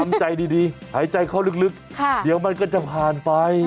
ทำใจดีหายใจเข้าลึกเดี๋ยวมันก็จะผ่านไป